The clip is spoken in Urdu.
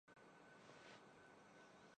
منیجر نے تیسرے ملازم سے پوچھا